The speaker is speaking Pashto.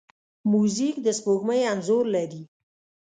موزیک د سپوږمۍ انځور لري.